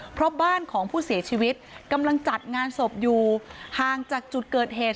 เพราะบ้านของผู้เสียชีวิตกำลังจัดงานศพอยู่ห่างจากจุดเกิดเหตุ